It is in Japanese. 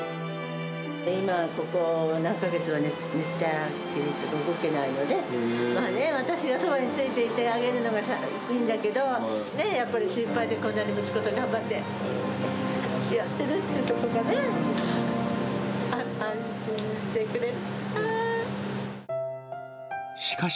今、ここ何か月は寝たきりで動けないので、まあね、私がそばについていてあげるのがいいんだけど、やっぱり心配で、息子と頑張ってやってるっていうことがね、安心してくれるかな。